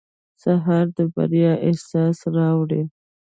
سهار د بریا احساس راوړي.